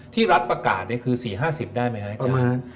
รัฐประกาศคือ๔๕๐ได้ไหมครับอาจารย์